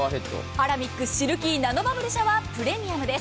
アラミックシルキーナノバブルシャワープレミアムです。